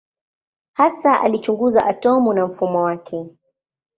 Hasa alichunguza atomu na mfumo wake.